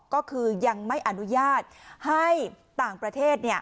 ก็คือยังไม่อนุญาตให้ต่างประเทศ